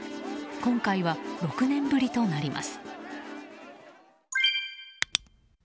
今回は６年ぶりとなります。